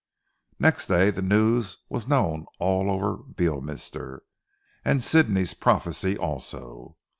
Next day the news was known all over Beorminster; and Sidney's prophecy also.